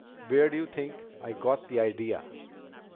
"Where do you think I got the idea?"